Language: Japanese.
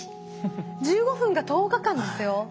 １５分が１０日間ですよ。